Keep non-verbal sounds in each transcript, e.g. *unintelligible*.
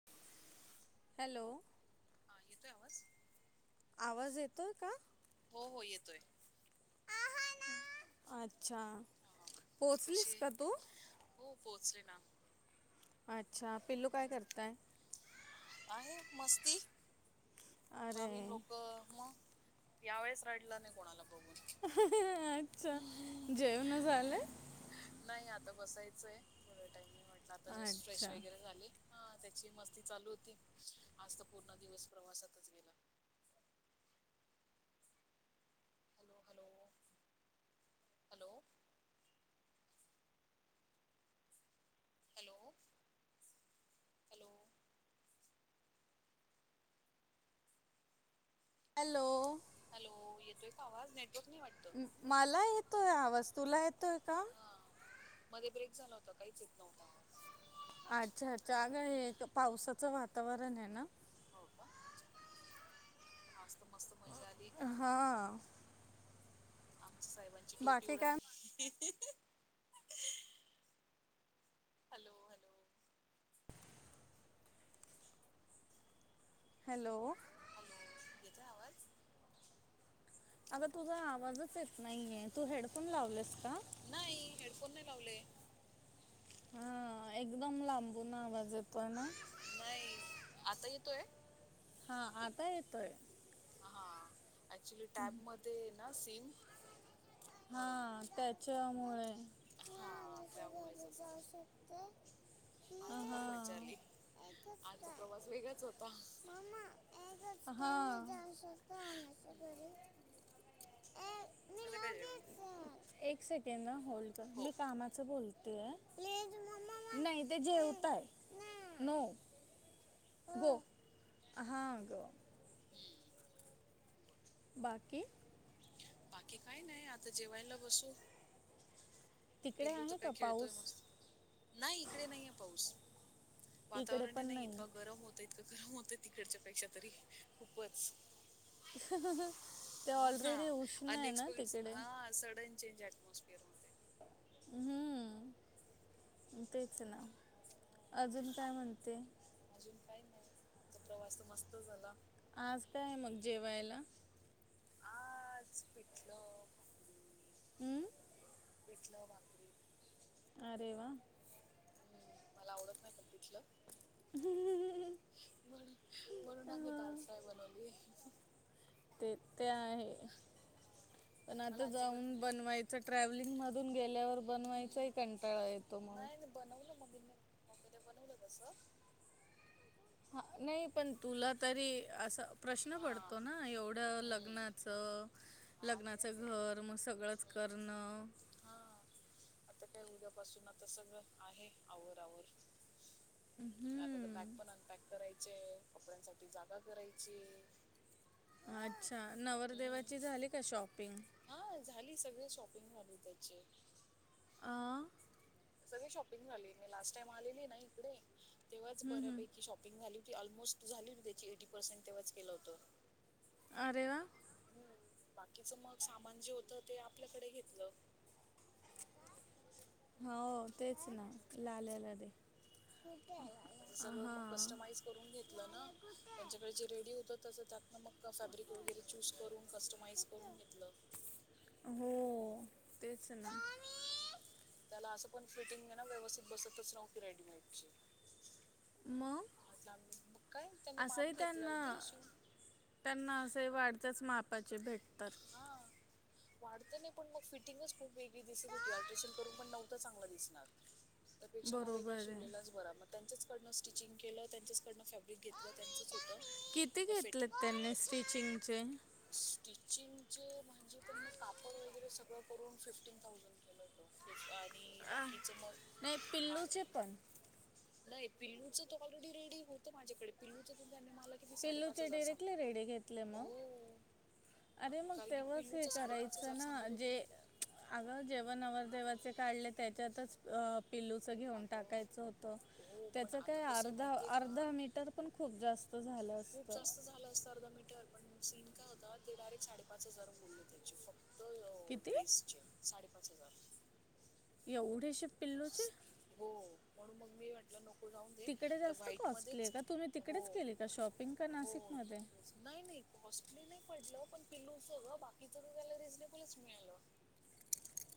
*inaudible* Hello! हा येतोय आवाज? आवाज येतोय का? हो हो येतोय आच्छा हा कशी पोहचलीस आहे? का तू? हो पोहोचले ना. आच्छा, पिल्लू काय हम्म, करताय? आहे मस्ती. नवीन अरे लोक म या वेळेस रडला नाही कोणाला बघून. आच्छा, हम्म. जेवन झाले? नाही आता बसायचं आहे थोड टाइम नाही म्हटलं आता जस्ट फ्रेश अच्छा वगैरे झाली, हा त्याची मस्ती चालू होती, आज तर पूर्ण दिवस प्रवासात आताच गेला. Hello! Hello! Hello! Hello! Hello! Hello! Hello! येतोय का आवाज? नेटवक नाही वाटत. मला येतोय आवाज, तुला येतोय का? मधे ब्रेक झाला होता काहीच येत नव्हता आवाज. आच्छा आच्छा आगं हे त हम्म पावसाचं वातावरण हे ना? हो का अच्छा. आज त मस्त मजा आली, हां आमच्या साहेबा ची टोपी बाकी काय उडाली. हॅलो! हॅलो! हॅलो! हॅलो! येतोय आवाज? आगं तुझा आवाजच येत नाहीये, तू हेडफोन लावलेस का? नाही हेडफोन नाही लावले. हा एकदम लांबून आवाज येतोय ना. हम्म, नाही, आता येतोय? हा आता येतोय. हा ऍक्च्युली टॅबमध्ये हे ना सिम. म्हणून हा त्याच्यामुळे. हा त्यामुळेच असतं. आज तं फार हा मज्जा आली आजचा प्रवास वेगळाच होता. हम्म. हा. झालं काय जेवण? एक सेकंद ना होल्ड कर, हो मी कामाच बोलतेये. नाही ते जेवताय नो. गो, हा आगं हुं. बाकी. बाकी काही नाही आता जेवायला बसू. तिकडे पिल्लू तर आहे का काय खेळतोय पाऊस मस्त नाही इकडे नाहीये पाऊस. इकडे वातावरण हे पण नाही इतकां गरम होतं इतकं गरम होतं तिकडच्या पेक्षा तरी खूपच. *unintelligible* हो हा ऑलरेडी उष्ण आहे ना अनएक्सपेक्ट तिकडे हा सडन चेंज अऍटमॉस्फियर होते. हम् तेच ना हो अजून काय आ- म्हणते? अजून काय नाही आचा प्रवास तर मस्त झाला. आज काय मग जेवायला? आज पिठलं भाकरी. हं? पिठलं भाकरी. अरे वा. हम्म मला आवडत नाही पण पिठलं. म्हणून म्हणून आम्ही दाल अं, फ्राय बनवलीये. ते ते आहे पण मला आता जाऊन अजिबात नाही बनवायच च ट्रॅव्हलिंगमधून गेल्यावर हम्म बनवायचाही कंटाळा येतो मग. नाही नाही बनवलं मम्मीने मम्मीने बनवलं तसं. हा नाही पण तुला तरी असा प्रश्न हा पडतो ना एवढ्या हम्म लग्नात त हा ते लग्नाचं आहे घर मग सगळंच हम्म. करणं. हा आता काय उद्यापासून आता सगळं आहे आवर आवर. हम्. आता तर बॅग पण अनपॅक करायचेय कपड्यांसाठी जागा करायची. अच्छा हम्म नवरदेवाची झाली का शॉपिंग? हा झाली सगळी शॉपिंग झाली त्याचे. आ. सगळी शॉपिंग झाले मी लास्ट टाइम आलेली ना इकडे तेव्हाच हं, हं. बऱ्यापैकी शॉपिंग पिंग झाली होती ऑलमोस्ट झाली होती त्याची एटी पर्सेंट तेव्हाच केलं होतं. अरे वा. हम्म बाकीच मग सामान जे होतं ते आपल्याकडे घेतलं. हो तेच ना लाल्याला दे. सगळं हा मग कस्टमाइज करून घेतलं ना. त्यांच्याकडे जे रेडी होत त्या त्यातन मग फॅब्रिक वगैरे चूज करून कस्टमाइज करून घेतलं. हो तेच ना. त्याला असं पण फिटिंगये ना व्यवस्थित बसतच नव्हती रेडीमेड ची. मग म्हटलं आम्ही मग काय त्यांनी असंही माप घेतलं अल् त्यांना दिलं शिवून. त्यांना असे वाढत्याच मापाचे भेटतात. वाढत नाही पण मग फिटिंगच खूप वेगळी दिसत होती अल्ट्रेशन करून पण नव्हं चांगलं दिसणार. त्या पेक्षा मग वेगळा बरोबर आहे शिवलेलाच बरा मग त्यांच्याचकडनं स्टिचिंग केलं त्यांच्याचकडनं फॅब्रिक घेतलं त्यांचंच होतं. किती मग फिट घेतले त्यांनी स्टिचिंगचे? स्टिचिंगचे म्हणजे त्यांनी कापड वगैरे सगळं करून फिफ्टीन थाउजंड. केलं होतं आणि आ, बाकीच मग नाही पिल्लूचे आणि पण नाही पिल्लूच तो ऑलरेडी रेडी होत माझ्याकडे पिल्लूच त्यांनी मला किती साडेपाच पिल्लूचे हजार डिरेक्टली सांगितलं रेडी घेतले मग? हो अरे मग कारण की तेव्हाच हे पिल्लूचं साडेपाच करायचं हजार ना सांगत होते जे ना ते अगं जेव्हा नवरदेवाचे काढले त्याच्यातच अ पिल्लूच घेऊन अगं टाकायच होत. हो पण त्याच आता काय कसं आहे अर्धा माहितीये का अर्धा मीटर पण खूप जास्त झाल असत. खल असत अर्धा मीटर पण सीन काय होता ते डायरेक्ट साडेपाच हजार बोलले त्याची फक्त. दोन किती ड्रेसचे साडेपाच हजार एवढेशे पिल्लूचे. हो म्हणून मग मी म्हटल नको जा दे तिकडे तर, जास्त व्हाईट कॉस्टली आहे मध्येच का तुम्ही हो तिकडेच केली का शॉपिंग का हो नाशिकमध्ये नाही नाही कॉसली नाही पडल, पण पिलूच ग बाकीच त्याला रिझनेबलच मिळाल.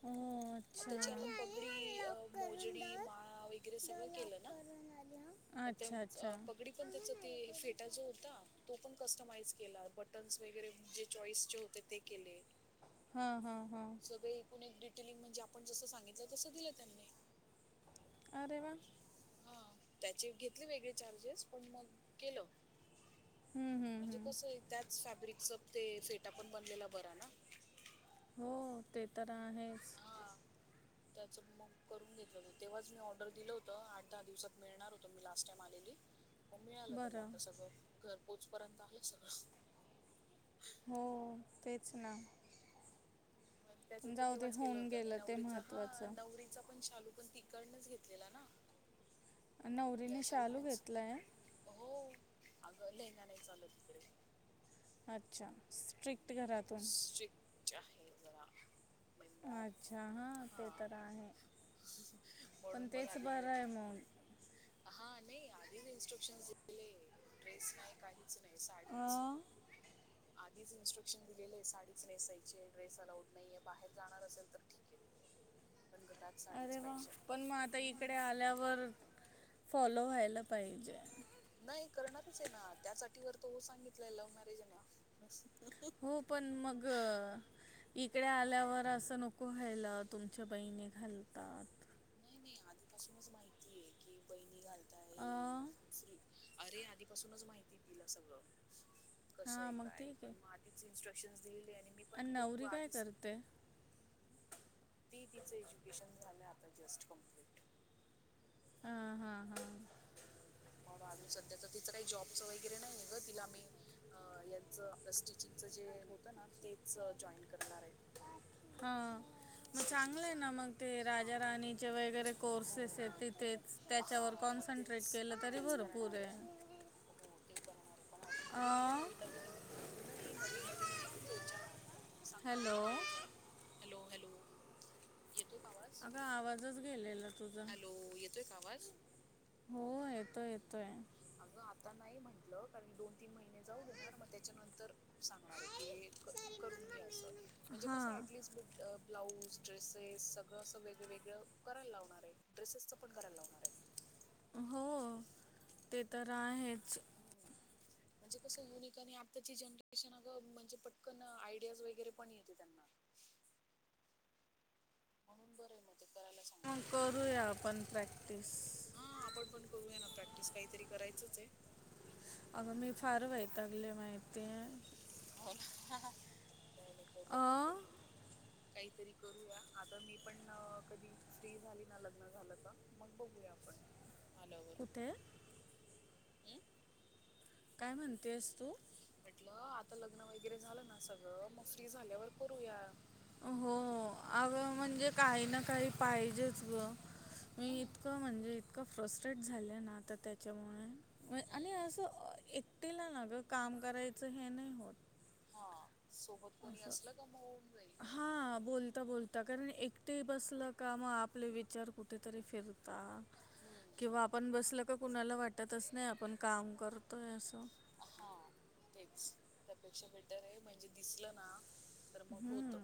हो अच्छा त्याची आता पगडी अ, मोजडी माळा वैगरे सगळ केल ना हा अच्छा अच्छा पगडीच त्याच ते फेटा जो होता तो पण कस्टमाइज केला. बटन्स वगैरे जे चॉईसचे होते ते केले. हा हा हा टेलिंग म्हणजे आपण जस सांगितल तस दिल त्यांनी. अरे वा हा त्याचे घेतले वेगळे चार्जेस पण मग केल. हम्म, हम्म, म्हणजे हम्म. कस होईल, त्याच फॅब्रिकच ते फेटा पण बनलेला बरा ना. हो ते तर आहेच. हा त्याच मग करून घेतल होत तेव्हाच मी ऑर्डर दिल होत. आठ दहा दिवसात मिळणार होत. मी लास्ट टाइम आलेली‌ मग मिळाल त्याला बरं आता सगळ घरपोच पर्यंत आल सगळ. हो तेच ना. त्याच पण तर जाऊ दे तेव्हाच केलं होऊन होत. आणि गेलं ते नवरीच हा महत्त्वाचं नवरीचा पण चालू पण तीकडनच घेतलेला ना. नवरीने या शालू साईडनेच घेतला आहे. हो अग लेंहगा नाही चालत तिकडे. अच्छा, स्ट्रिक्ट घरातून *unintelligible* मॉम अच्छा हा ते तर आहे. पण म्हणून मग तेच आधीच बर नाही आहे मग. हा नाही आधीच इन्स्ट्रक्शन दिले. ड्रेस नाही काहीच नाही साडीच. अं, आधीच इन्स्ट्रक्शन दिलेले आहे साडीच नेसायची आहे. ड्रेस अलाऊड नाहीये. बाहेर जाणार असेल तर ठीक. पण घरात साडीच अरे वा, पाहिजे पण मग आता हम्म. इकडे आल्यावर फॉलो व्हायला पाहिजे. नाही करणारच आहे ना. त्यासाठी व तो हो सांगितलय लव्ह मॅरेज ना हो पण मग इकडे हा. आल्यावर अस नको व्हायला, तुमच्या बहिणी घालतात. नाही नाही आधीपासूनच माहितीय की बहिणी घालताय. अं, फ्री अरे आधीपासूनच माहिती तिला सगळ कस आहे हां मग काय. ठीक आहे पण मग आधी इ्स्ट्रक्शनस दिलेली आणि म आणि नवरी काय करते. ती तिच एज्युकेशन झाल आता जस्ट कंप्लीट. हा हा हा अजून सध्या तर तिच काही जॉबच वगैरे नाहीय ग. तिला आम्ही अ यांच स्टिचिंगच जे होत ना तेच जॉईन करणार आहे. हा मग चांगलं आहे स्टिचिंगचा ना मग ते हा राजा राणीचे वगैरे हो कोर्सेस हो आहेत तिथे त्याच्यावर हा मग कॉन्सन्ट्रेट तेच केलं तरी तेच भरपूर करणार आहे. हो ते करणार आहे पण अजून तरी नाही अं, नवीन नवीन अजून नाही नवीन नवीन आहे म्हणून दोन चार महिन्या सांगणार आहे हॅलो की हे जॉईन हॅलो हॅलो येतो का आवाज? अगं आवाजच गेलेला. तुझा हॅलो येतोय का आवाज? हो येतोय येतोय. अगं आता नाही म्हंटलं कारणी दोन तीन महिने जाऊ देणार मग त्याच्यानंतर सांगणार आहे की करून घे असं म्हणजे कसं हां ऍटलिस्ट ब्लाऊज, ड्रेसेस सगळं असं वेगळवेेगळं करायला लावणार आहे. ड्रेसेसच पण करायला लावणार आहे हो ते तर आहेच. हम्. म्हणजे कसं युनिक आणि आत्ताची जनरेशन अगं म्हणजे पटकन आयडियाज वगैरे पण येते त्यांना म्हणून बरं मग ते करायला सांग ग करूया आपण प्रॅक्टिस. हा आपण पण करूया ना प्रॅक्टिस काहीतरी करायचच आहे. अगं मी फार बघू वैतागले माहितीये. हो ना नाही नाही करू अ आपण काहीतरी काहीतरी. करूया आता मी पण कधी फ्री झाली ना लग्न झालं तर मग बघूया. *unintelligible* कुठे? हम्म काय म्हणतेस तू? म्हटलं आता लग्न वगैरे झालं ना सगळं मग फ्री झाल्यावर करूया. हो अं म्हणजे काही ना काही पाहिजेच ग. मी हम्म इतकं म्हणजे इतकं फ्रस्ट्रेट झालं ना आता त्याच्यामुळे. आणि हम्म असं एकटीला ना ग काम करायचं हे नाही होत. हा सोबत कोणी असं असलं का मग होऊन जाईल काही नाही हा एवढं बोल बोलता बोलता कारण एकटे बसलं का म आपले विचार कुठेतरी फिरता हम्म किंवा आपण बसल का कुणाला वाटतच नाही आपण काम करतोय असं. हा तेच त्यापेक्षा बेटर आहे म्हणजे दिसलं ना तर मग होत हम्म.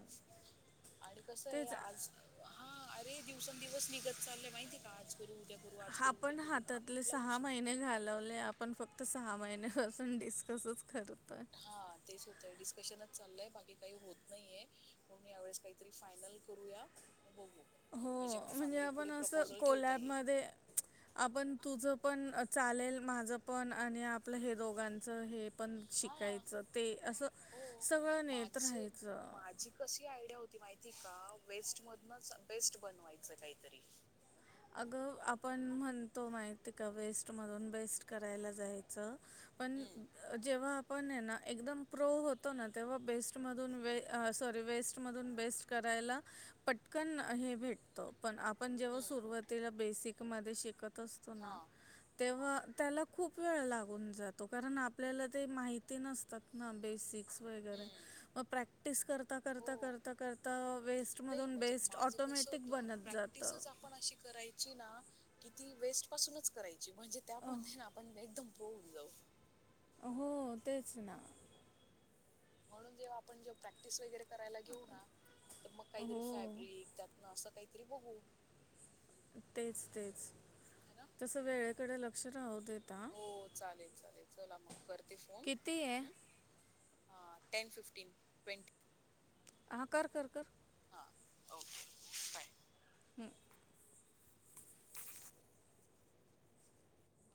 आणि कस आहे तेच आज हा अरे दिवसंदिवस निघत चाललंय माहिती काज करू उद्या करू आज करू उद्या आपण करू हातातले आपला सहा विषय महिने घालवले. आपण फक्त सहा महिन्यापासून डिस्कसच करतोय. हा तेच होतय डिस्कशनच चाललंय बाकी काही होत नाहीे पण मी यावेेळेस काही री फायनल करूया बघू. हो मग म्हणजे फॅमिली पुढे आपण असं प्रपोजल ठेवता येईल कोलॅबमध्ये आपण तुझ पण चालेल माझ पण आणि आपलं हे दोघांच हे पण हा शिकायचं ते असं हो सगळं नेत माझ राहायचं. माझी कशी आयडिया होती माहिती का वेस्ट मधूनच बेस्ट बनवायचं काहीतरी. अगं आपण म्हणतो माहिती आहे का वेस्टमधून बेस्ट करायला जाईच. पण हम्म जेव्हा पण आहे ना एकदम प्रो होतो ना तेव्हा बेस्टमधून वे सॉरी वेस्टमधून बेस्ट करायला पटकन हे भेट. पण आपण जेव्हा हम्म सुरवातीला बेसिक मध्ये शिकत असतो ना. हा हा तेव्हा त्याला खूप वेळ लागून जातो कारण आपल्याला ते माहिती नसतात ना बेसिक्स वरे हम्म मग प्रॅक्टिस करता करता हो करता करता वेस्ट मध नाही म्हणजे बेस्ट ऑटोमॅटिक बनत जातं. ण अशी करायची ना की ती वेस्ट पासूनच करायची म्हणजे अह, त्यामध्ये ना आपण एकदम ब ब जााऊ हो तेच ना. म्हणून जेव्हा आपण जेव्हा प्रॅक्टिस वगैरे करायला घेऊ ना तर मग काहीतरी हो फॅब्रिक त्या ना असं काहीतरी बघू. तेच तेच है ना तसं हम्म. वेळेकडे लक्ष राहू देेत. हो चालेल चालेल चला मग करते फोन किती आहे ह. हां टेन फिफ्टीन ट्वेंटी. हह कर कर कर. हा ओके बाय. हम्.